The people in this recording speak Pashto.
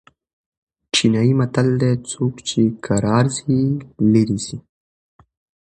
چینايي متل دئ: څوک چي کرار ځي؛ ليري ځي.